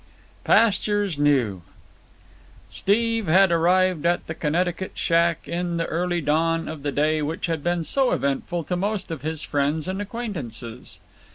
Pastures New Steve had arrived at the Connecticut shack in the early dawn of the day which had been so eventful to most of his friends and acquaintances.